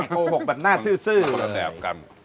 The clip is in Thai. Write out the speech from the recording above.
โกหกแบบหน้าซื่อเลย